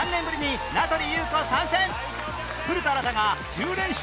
古田新太が１０連勝を目指す